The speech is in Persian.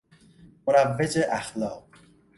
مروج اخلاق